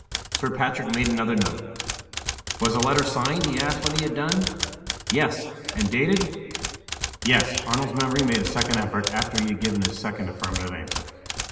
Sir Patrick made another note. "Was the letter signed?" he asked, when he had done. "Yes." "And dated?" "Yes." Arnold's memory made a second effort, after he had given his second affirmative answer.